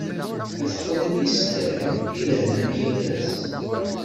Ad t-qnen yeslan, i lehna n yal ass.